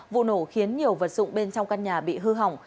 vụ nổ khiến nhiều vật dụng bên trong căn nhà bị hư hỏng